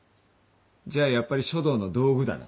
じゃあやっぱり書道の道具だな。